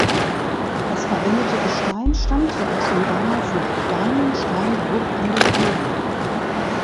Das verwendete Gestein stammte aus dem damals noch kleinen Steinbruch an der Höhe.